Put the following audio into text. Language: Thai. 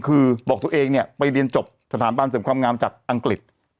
คือบอกตัวเองเนี่ยไปเรียนจบสถาบันเสริมความงามจากอังกฤษ